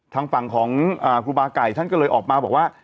ทางฝั่งของครูบาไก่ท่านก็เลยออกมาบอกว่า